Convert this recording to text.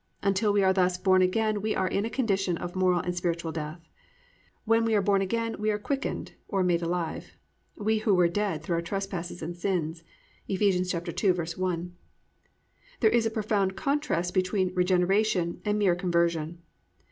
"+ Until we are thus born again we are in a condition of moral and spiritual death. When we are born again we are "quickened" (or made alive), we who "were dead through our trespasses and sins." (Eph. 2:1). There is a profound contrast between regeneration and mere conversion.